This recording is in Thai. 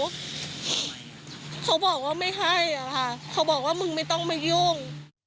เขาบอกว่าไม่ให้อะค่ะเขาบอกว่ามึงไม่ต้องมายุ่ง